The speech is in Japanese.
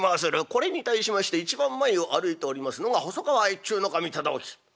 これに対しまして一番前を歩いておりますのが細川越中守忠興。